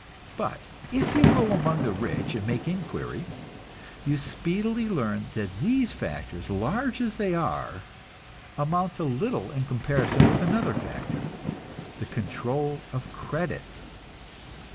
But if you go among the rich and make inquiry, you speedily learn that these factors, large as they are, amount to little in comparison with another factor, the control of credit.